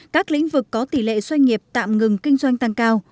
các lĩnh vực có tỷ lệ doanh nghiệp tạm ngừng kinh doanh tăng cao